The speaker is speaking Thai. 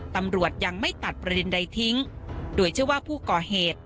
ตำรวจยังไม่ตัดประเด็นใดทิ้งโดยเชื่อว่าผู้ก่อเหตุ